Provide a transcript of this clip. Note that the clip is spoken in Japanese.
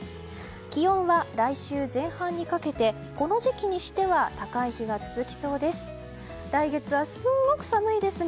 気温は来週前半にかけてこの時期にしては高い日が続きそうです。